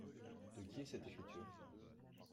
De qui est cette écriture ?